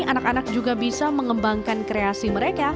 anak anak juga bisa mengembangkan kreasi mereka